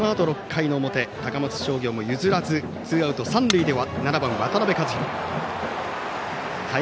６回の表高松商業も譲らずツーアウト三塁で７番、渡辺和大。